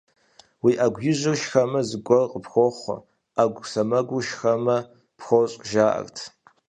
Уи Ӏэгу ижьыр шхэмэ, зыгуэр къыпхохъуэ, ӏэгу сэмэгур шхэмэ - пхощӀ, жаӀэрт.